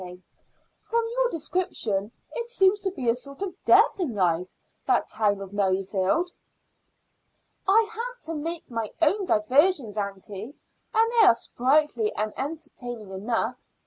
"From your description it seems to be a sort of death in life, that town of Merrifield." "I have to make my own diversions, aunty, and they are sprightly and entertaining enough.